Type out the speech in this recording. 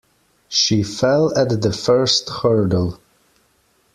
She fell at the first hurdle.